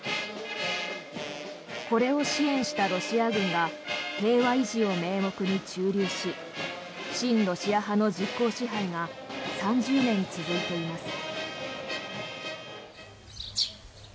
これを支援したロシア軍が平和維持を名目に駐留し親ロシア派の実効支配が３０年続いています。